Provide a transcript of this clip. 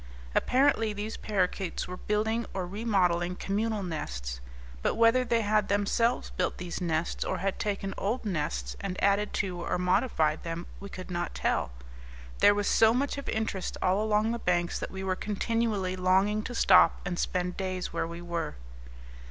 Apparently these parakeets were building or remodelling communal nests; but whether they had themselves built these nests, or had taken old nests and added to or modified them, we could not tell. There was so much of interest all along the banks that we were continually longing to stop and spend days where we were.